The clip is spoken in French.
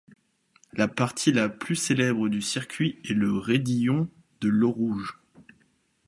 La partie la plus célèbre du circuit est le Raidillon de l'Eau Rouge.